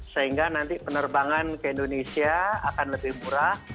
sehingga nanti penerbangan ke indonesia akan lebih murah